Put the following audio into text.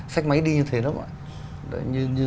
xách máy đi như thế đó ạ